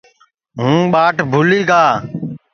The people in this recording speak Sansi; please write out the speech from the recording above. ہُوں ٻاٹ بھُولی گی گا